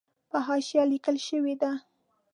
پر حاشیه لیکل شوې ده.